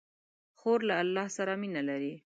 خور له الله سره مینه لري.